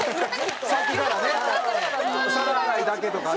さっきからね皿洗いだけとかね。